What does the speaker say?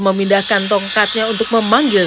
memindahkan tongkatnya untuk memanggil